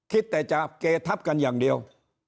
คิดแต่จะเกทับกันอย่างเดียว